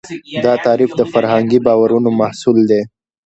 دا تعریف د فرهنګي باورونو محصول دی.